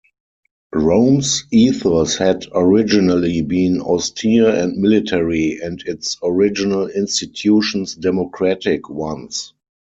Rome's ethos had originally been austere and military and its original institutions democratic ones.